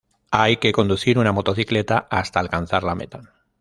Hay que conducir una motocicleta hasta alcanzar la meta.